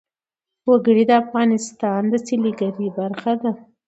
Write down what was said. وګړي د افغانستان د سیلګرۍ برخه ده.